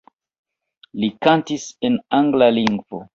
Li kantis en angla lingvo.